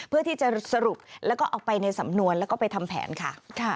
เพื่อที่จะสรุปแล้วก็เอาไปในสำนวนแล้วก็ไปทำแผนค่ะ